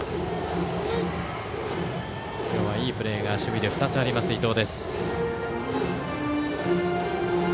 今日はいいプレーが守備で２つあります、伊藤。